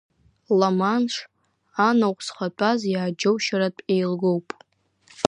Ла-Манш, анаҟә зхатәаз, иааџьоушьаратә еилгоуп.